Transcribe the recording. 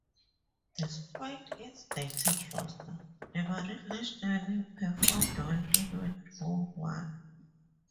Despite its dated roster, the Marine Nationale performed well in World War One.